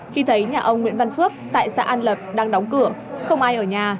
khi thấy nhà ông nguyễn văn phước tại xã an lập đang đóng cửa không ai ở nhà